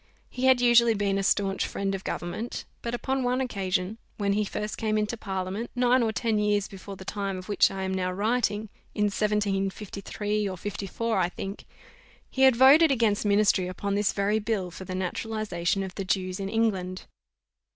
He had usually been a staunch friend of government; but upon one occasion, when he first came into parliament, nine or ten years before the time of which I am now writing, in 1753 or 54, I think, he had voted against ministry upon this very bill for the Naturalization of the Jews in England.